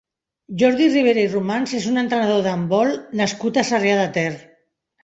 Jordi Ribera i Romans és un entrenador d'handbol nascut a Sarrià de Ter.